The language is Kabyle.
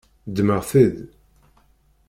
Ddmeɣ-t-id.